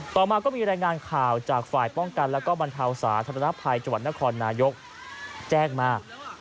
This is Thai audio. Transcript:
ต่อมาก็มีรายงานข่าวจากฝ่ายป้องกันแล้วก็บรรเทาสาธารณภัยจังหวัดนครนายกแจ้งมา